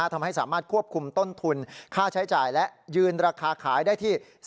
ทำให้สามารถควบคุมต้นทุนค่าใช้จ่ายและยืนราคาขายได้ที่